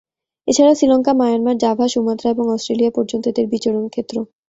এছাড়া Sri Lanka, Myanmar, Java, Sumatra এবং Australia পর্যন্ত এদের বিচরণ ক্ষেত্র।